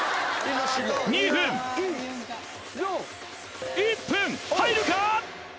２分１分入るか！？